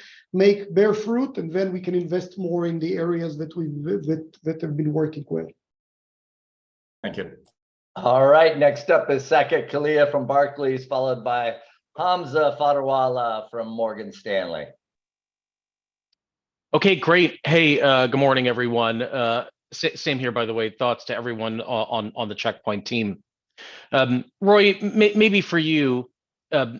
bear fruit, and then we can invest more in the areas that have been working well. Thank you. All right, next up is Saket Kalia from Barclays, followed by Hamza Fodderwala from Morgan Stanley. Okay, great. Hey, good morning, everyone. Same here, by the way. Thoughts to everyone on the Check Point team. Roei, maybe for you,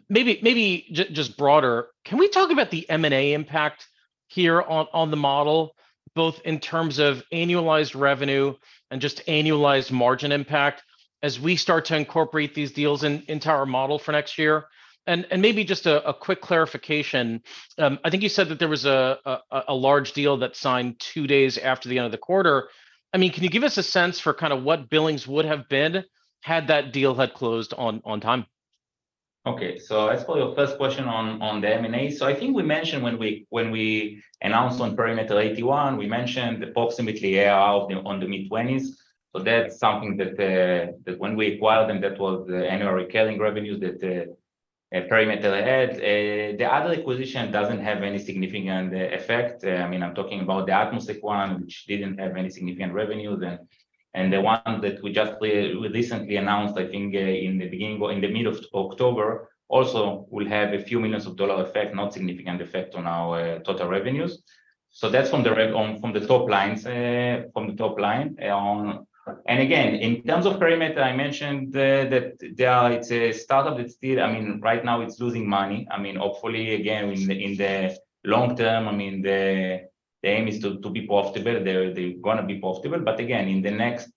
maybe just broader, can we talk about the M&A impact here on the model, both in terms of annualized revenue and just annualized margin impact as we start to incorporate these deals into our model for next year? And maybe just a quick clarification. I think you said that there was a large deal that signed two days after the end of the quarter. I mean, can you give us a sense for kind of what billings would have been had that deal had closed on time? Okay, as for your first question on the M&A, I think we mentioned when we announced on Perimeter 81, we mentioned approximately, yeah, on the mid-20s. That's something that, when we acquired them, that was the annual recurring revenue that Perimeter had. The other acquisition doesn't have any significant effect. I mean, I'm talking about the Atmosec one, which didn't have any significant revenue then. The one that we just recently announced, I think, in the beginning, in the middle of October, also will have a few millions of dollar effect, not significant effect on our total revenues. That's from the top line. Again, in terms of Perimeter, I mentioned that it's a startup, it's still, I mean, right now it's losing money. I mean, hopefully, again, in the long term, I mean, the aim is to be profitable. They're gonna be profitable, but again, in the next,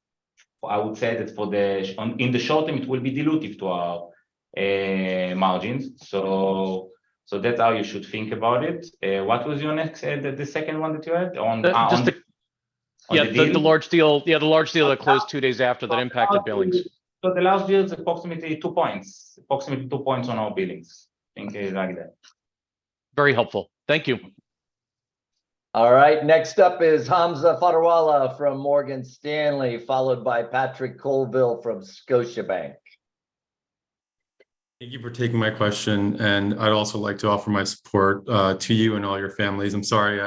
I would say that for the short term, it will be dilutive to our margins. That's how you should think about it. What was your next, the second one that you had on the, on the- Just the- On the deal? Yeah, the large deal that closed two days after, the impact of billings. So the last deal is approximately two points, approximately two points on our billings. Think like that. Very helpful. Thank you. All right, next up is Hamza Fodderwala from Morgan Stanley, followed by Patrick Colville from Scotiabank. Thank you for taking my question, and I'd also like to offer my support to you and all your families. I'm sorry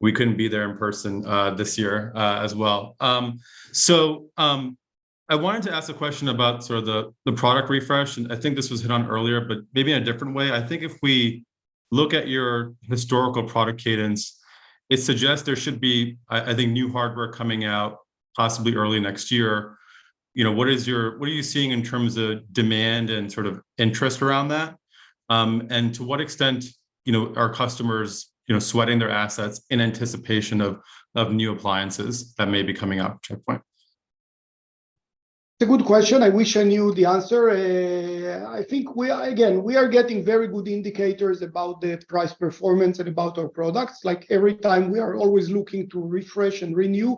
we couldn't be there in person this year as well. So, I wanted to ask a question about sort of the product refresh, and I think this was hit on earlier, but maybe in a different way. I think if we look at your historical product cadence, it suggests there should be new hardware coming out possibly early next year. You know, what are you seeing in terms of demand and sort of interest around that? And to what extent, you know, are customers, you know, sweating their assets in anticipation of new appliances that may be coming out, Check Point? It's a good question. I wish I knew the answer. I think we are, again, we are getting very good indicators about the price, performance, and about our products. Like, every time, we are always looking to refresh and renew,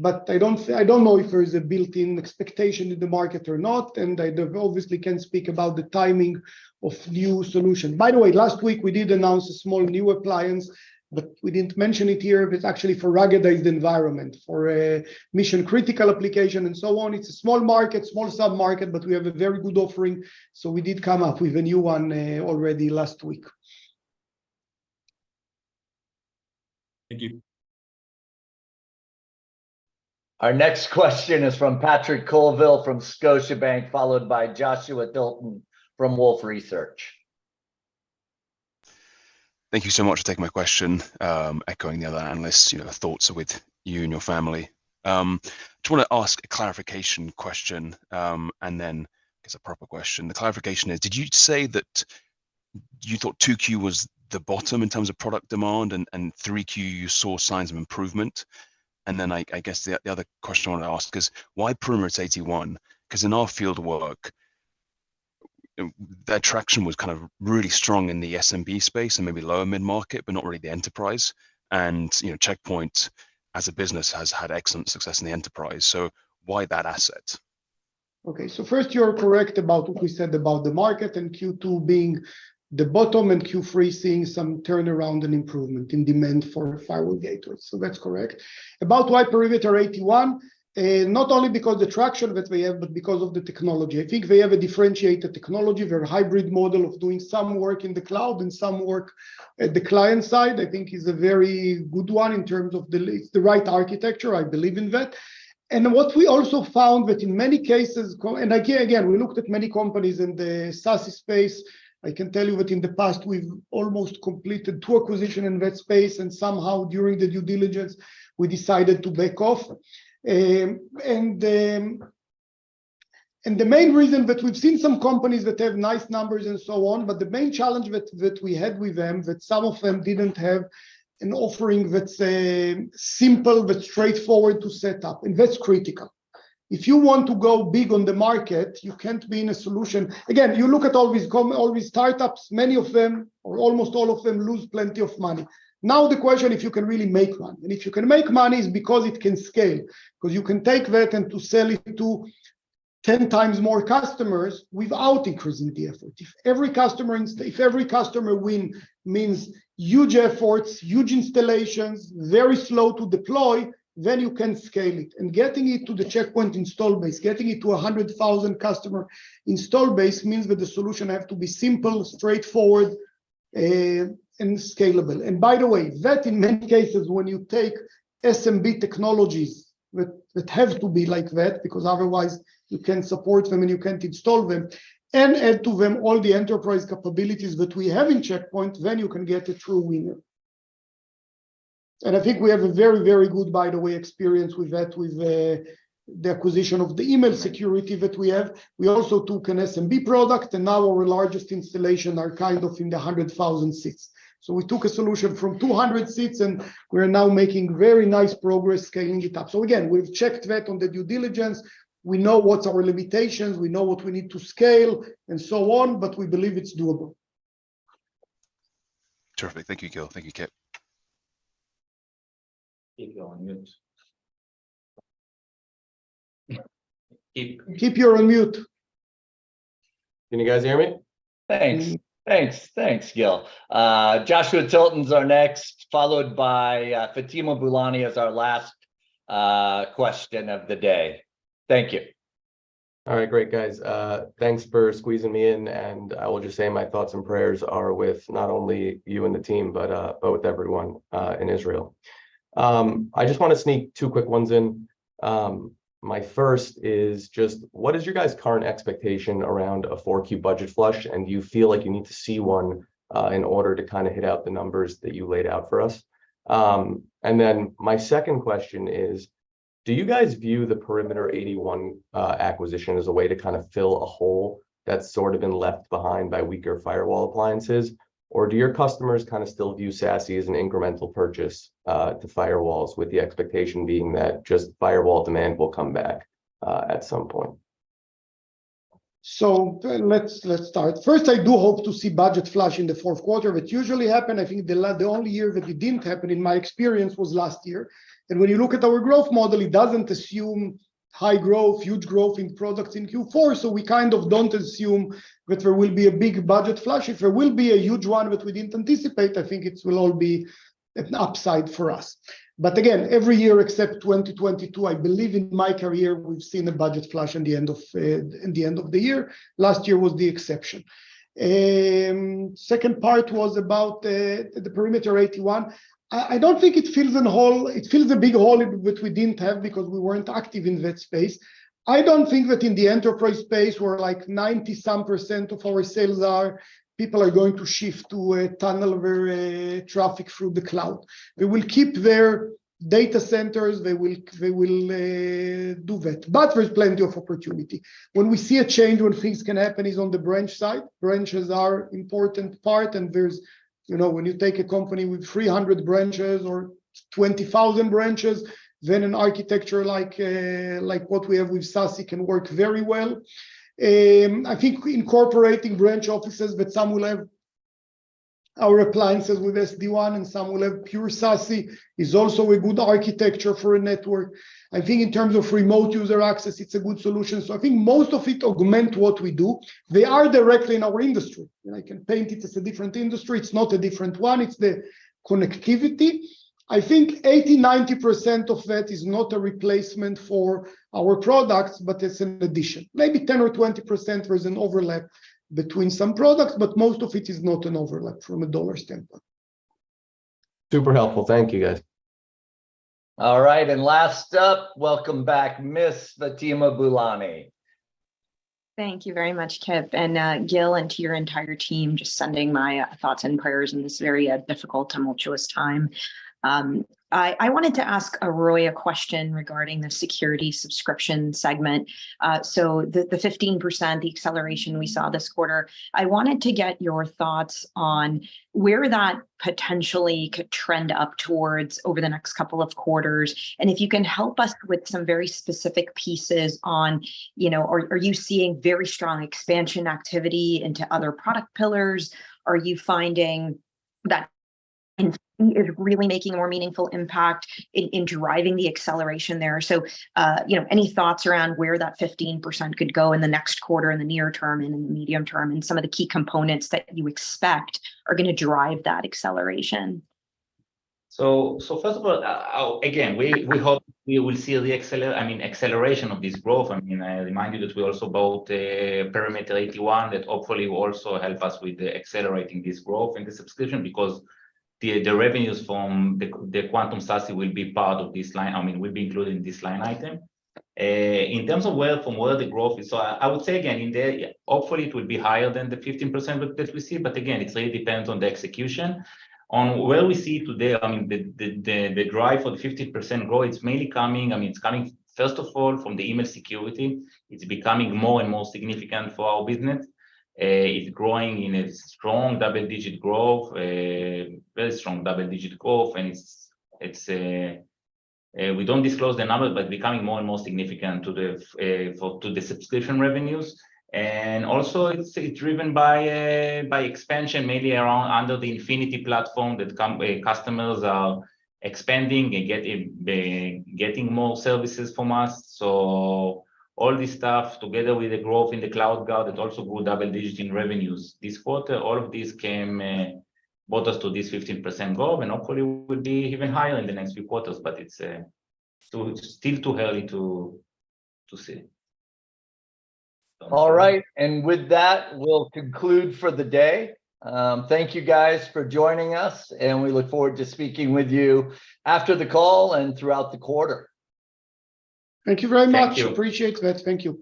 but I don't see, I don't know if there is a built-in expectation in the market or not, and I obviously can't speak about the timing of new solution. By the way, last week we did announce a small new appliance, but we didn't mention it here. It's actually for ruggedized environment, for a mission-critical application and so on. It's a small market, small sub-market, but we have a very good offering. So we did come up with a new one, already last week. Thank you. Our next question is from Patrick Colville, from Scotiabank, followed by Joshua Tilton from Wolfe Research. Thank you so much for taking my question. Echoing the other analysts, you know, our thoughts are with you and your family. Just want to ask a clarification question, and then guess a proper question. The clarification is, did you say that you thought 2Q was the bottom in terms of product demand, and 3Q, you saw signs of improvement? I guess the other question I want to ask is, why Perimeter 81? Because in our field work, you know, their traction was kind of really strong in the SMB space and maybe lower mid-market, but not really the enterprise. You know, Check Point, as a business, has had excellent success in the enterprise, so why that asset? Okay, so first, you are correct about what we said about the market, and Q2 being the bottom, and Q3 seeing some turnaround and improvement in demand for firewall gateways. So that's correct. About why Perimeter 81, not only because the traction that they have, but because of the technology. I think they have a differentiated technology. Their hybrid model of doing some work in the cloud and some work at the client side, I think is a very good one in terms of the—it's the right architecture, I believe in that. And what we also found that in many cases, and again, we looked at many companies in the SASE space. I can tell you that in the past, we've almost completed two acquisition in that space, and somehow during the due diligence, we decided to back off. The main reason that we've seen some companies that have nice numbers and so on, but the main challenge that we had with them, that some of them didn't have an offering that's simple, but straightforward to set up, and that's critical. If you want to go big on the market, you can't be in a solution. Again, you look at all these com- all these startups, many of them, or almost all of them, lose plenty of money. Now, the question, if you can really make money, and if you can make money is because it can scale, 'cause you can take that and to sell it to 10 times more customers without increasing the effort. If every customer inst- if every customer win means huge efforts, huge installations, very slow to deploy, then you can scale it. Getting it to the Check Point install base, getting it to a 100,000 customer install base, means that the solution has to be simple, straightforward, and scalable. By the way, in many cases, when you take SMB technologies, they have to be like that, because otherwise you can't support them and you can't install them, and add to them all the enterprise capabilities that we have in Check Point, then you can get a true winner. I think we have a very, very good, by the way, experience with that, with the acquisition of the email security that we have. We also took an SMB product, and now our largest installations are kind of in the 100,000 seats. We took a solution from 200 seats, and we're now making very nice progress scaling it up. Again, we've checked that on the due diligence. We know what's our limitations, we know what we need to scale, and so on, but we believe it's doable. Terrific. Thank you, Gil. Thank you, Kip. Kip you on mute. Kip you on mute. Can you guys hear me? Thanks. Thanks. Thanks, Gil. Joshua Tilton's our next, followed by Fatima Boolani as our last question of the day. Thank you. All right, great, guys. Thanks for squeezing me in, and I will just say my thoughts and prayers are with not only you and the team, but, but with everyone, in Israel. I just want to sneak two quick ones in. My first is just: What is your guys' current expectation around a 4Q budget flush, and do you feel like you need to see one, in order to kinda hit out the numbers that you laid out for us? and then my second question is: Do you guys view the Perimeter 81 acquisition as a way to kind of fill a hole that's sort of been left behind by weaker firewall appliances, or do your customers kinda still view SASE as an incremental purchase to firewalls, with the expectation being that just firewall demand will come back at some point? So let's start. First, I do hope to see budget flush in the fourth quarter, which usually happen. I think the only year that it didn't happen, in my experience, was last year. And when you look at our growth model, it doesn't assume high growth, huge growth in products in Q4, so we kind of don't assume that there will be a big budget flush. If there will be a huge one that we didn't anticipate, I think it will all be an upside for us. But again, every year, except 2022, I believe in my career, we've seen a budget flush in the end of the year. Last year was the exception. Second part was about the Perimeter 81. I don't think it fills in a hole. It fills a big hole which we didn't have, because we weren't active in that space. I don't think that in the enterprise space, where like 90-some% of our sales are, people are going to shift to a tunnel, where traffic through the cloud. They will keep their data centers, they will, they will do that, but there's plenty of opportunity. When we see a change, when things can happen, is on the branch side. Branches are important part, and there's, you know, when you take a company with 300 branches or 20,000 branches, then an architecture like, like what we have with SASE can work very well. I think incorporating branch offices, but some will have our appliances with SD-WAN and some will have pure SASE, is also a good architecture for a network. I think in terms of remote user access, it's a good solution. So I think most of it augment what we do. They are directly in our industry, and I can paint it as a different industry. It's not a different one, it's the connectivity. I think 80%-90% of that is not a replacement for our products, but it's an addition. Maybe 10% or 20%, there's an overlap between some products, but most of it is not an overlap from a dollar standpoint. Super helpful. Thank you, guys. All right, and last up, welcome back, Miss Fatima Boolani.... Thank you very much, Kip, and, Gil, and to your entire team, just sending my, thoughts and prayers in this very, difficult, tumultuous time. I wanted to ask Roei a question regarding the security subscription segment. So the, the 15%, the acceleration we saw this quarter, I wanted to get your thoughts on where that potentially could trend up towards over the next couple of quarters. And if you can help us with some very specific pieces on, you know, are you seeing very strong expansion activity into other product pillars? Are you finding that is really making a more meaningful impact in driving the acceleration there? So, you know, any thoughts around where that 15% could go in the next quarter, in the near term, and in the medium term, and some of the key components that you expect are gonna drive that acceleration? First of all, I, again, we hope we will see the accel- I mean, acceleration of this growth. I mean, I remind you that we also bought Perimeter 81, that hopefully will also help us with accelerating this growth in the subscription, because the revenues from the Quantum SASE will be part of this line, I mean, will be included in this line item. In terms of where, from where the growth is, I would say again, hopefully it will be higher than the 15% that we see. Again, it really depends on the execution. On where we see today, I mean, the drive for the 15% growth, it's mainly coming... I mean, it's coming, first of all, from the email security. It's becoming more and more significant for our business. It's growing in a strong double-digit growth, very strong double-digit growth, and it's, we don't disclose the numbers, but becoming more and more significant to the, for, to the subscription revenues. Also, it's driven by expansion, maybe around, under the Infinity platform, that customers are expanding and getting, getting more services from us. All this stuff, together with the growth in the CloudGuard, that also grew double digits in revenues this quarter, all of these brought us to this 15% growth, and hopefully it will be even higher in the next few quarters, but it's still, still too early to see. All right, and with that, we'll conclude for the day. Thank you guys for joining us, and we look forward to speaking with you after the call and throughout the quarter. Thank you very much. Thank you. Appreciate that. Thank you.